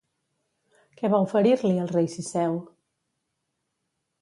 Què va oferir-li, el rei Cisseu?